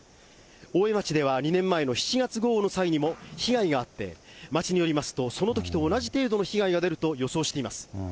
大江町では２年前の７月豪雨の際にも被害があって、町によりますと、そのときと同じ程度の被害が出ると予想しています。